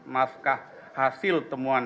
maskah hasil temuan